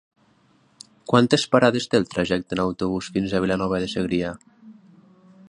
Quantes parades té el trajecte en autobús fins a Vilanova de Segrià?